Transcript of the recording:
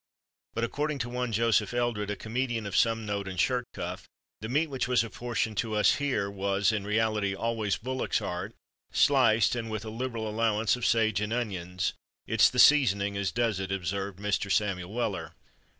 But, according to one Joseph Eldred, a comedian of some note and shirt cuff, the meat which was apportioned to us here was, in reality, always bullock's heart, sliced, and with a liberal allowance of sage and onions. "It's the seasoning as does it," observed Mr. Samuel Weller.